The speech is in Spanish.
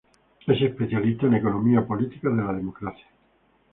Es especialista en economía política de la democracia.